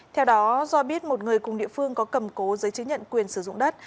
theo đó do biết một người cùng địa phương có cầm cố giấy chứng nhận quyền sử dụng đất